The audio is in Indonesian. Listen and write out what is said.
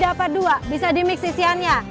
lima dapat dua bisa di mix isiannya